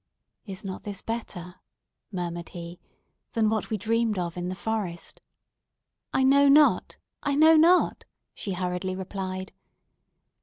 "Is not this better," murmured he, "than what we dreamed of in the forest?" "I know not! I know not!" she hurriedly replied.